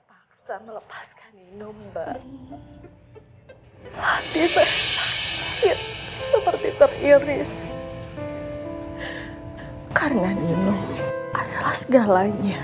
pak kepala kalau gitu kami permisi dulu ya